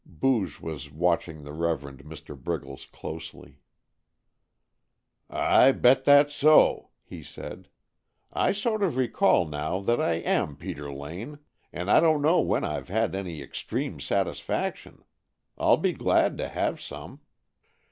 Booge was watching the Reverend Mr. Briggles closely. "I bet that's so!" he said. "I sort of recall now that I am Peter Lane. And I don't know when I've had any extreme satisfaction. I'll be glad to have some."